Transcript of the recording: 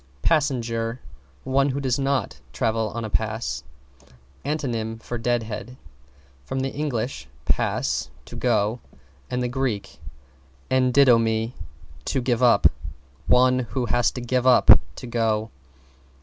=PASSENGER= One who does not travel on a pass. (Antonym for Deadhead). From Eng. pass, to go, and Grk. endidomi, to give up. One who has to give up to go.